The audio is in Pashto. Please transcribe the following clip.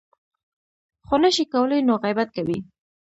خو نه شي کولی نو غیبت کوي .